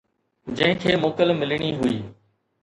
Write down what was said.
جنهن کي موڪل ملڻي هئي.